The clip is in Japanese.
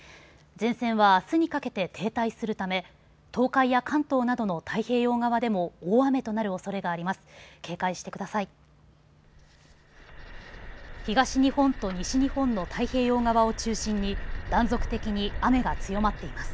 前線はあすにかけて停滞するため、東海や関東などの太平洋側でも大雨となるおそれがあります。